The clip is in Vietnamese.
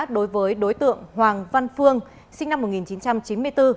đối với đối tượng hoàng văn phương sinh năm một nghìn chín trăm chín mươi bốn